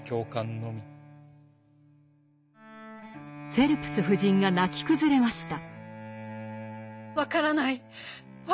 フェルプス夫人が泣き崩れました。